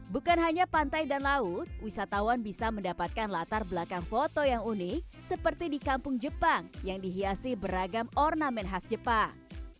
bukan hanya pantai dan laut wisatawan bisa mendapatkan latar belakang foto yang unik seperti di kampung jepang yang dihiasi beragam ornamen khas jepang